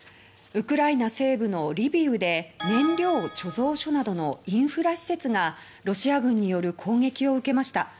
ウクライナ西部のリビウで燃料貯蔵所などのインフラ施設がロシア軍による攻撃を受けました。